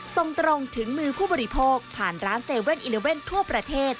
ส่งตรงถึงมือผู้บริโภคผ่านร้าน๗๑๑ทั่วประเทศ